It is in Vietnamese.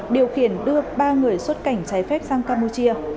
điều khiển đưa ba người xuất cảnh trái phép sang campuchia